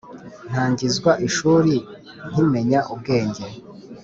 ntangizwa ishuri nkimenya ubwenge